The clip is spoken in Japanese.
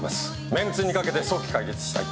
面子にかけて早期解決したい。